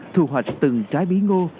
thu hoạch từng trái bí ngục